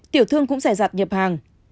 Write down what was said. tiểu thương cũng rẻ rạt nhập hàng